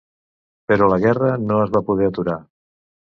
Però la guerra no es va poder aturar.